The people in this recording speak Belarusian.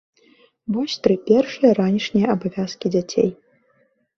Вось тры першыя ранішнія абавязкі дзяцей.